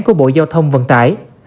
của bộ giao thông vận tải